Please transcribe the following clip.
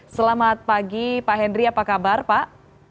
selamat pagi pak henry apa kabar pak